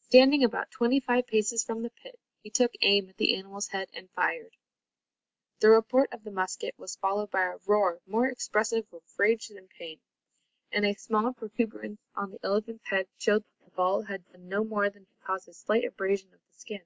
Standing about twenty five paces from the pit, he took aim at the animal's head and fired. The report of the musket was followed by a roar more expressive of rage than pain, and a small protuberance on the elephant's head showed that the ball had done no more than to cause a slight abrasion of the skin.